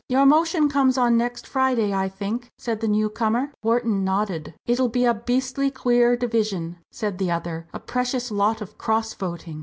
"Your motion comes on next Friday, I think," said the new comer. Wharton nodded. "It'll be a beastly queer division," said the other "a precious lot of cross voting."